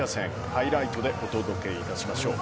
ハイライトでお届けいたしましょう。